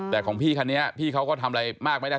แต่ของพี่คันนี้พี่เขาก็ทำอะไรมากไม่ได้